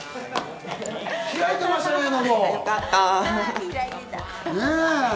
開いてましたね、喉！